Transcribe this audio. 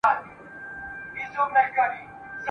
جهانګير ته په جاموکي !.